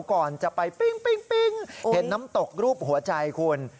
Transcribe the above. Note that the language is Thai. ก่อนจะไปปิ้งเห็นน้ำตกรูปหัวใจคุณ